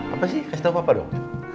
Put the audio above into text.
apa sih kasih tau papa dong